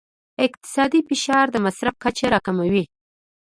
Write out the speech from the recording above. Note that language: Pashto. اقتصادي فشار د مصرف کچه راکموي.